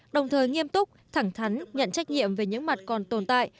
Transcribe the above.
đồng thời nghiêm túc thẳng thắn nhận trách nhiệm về những mặt còn tồn tại